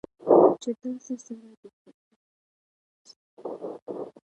چې تاسې سره د خېښۍ وياړ ترلاسه کو.